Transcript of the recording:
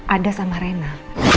ada sama rena